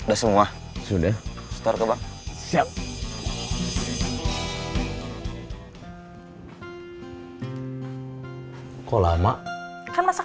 aku mau ke tempat yang lebih baik